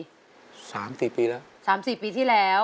อเรนนี่ส์๓๔ปีแล้วอเรนนี่ส์๓๔ปีที่แล้ว